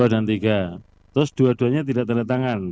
dua dan tiga terus dua duanya tidak tanda tangan